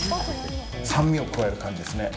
酸味を加える感じですね。